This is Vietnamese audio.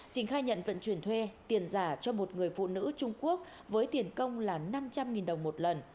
trình khai nhận vận chuyển thuê tiền giả cho một người phụ nữ trung quốc với tiền công là năm trăm linh đồng một lần